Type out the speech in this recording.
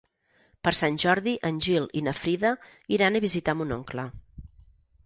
Per Sant Jordi en Gil i na Frida iran a visitar mon oncle.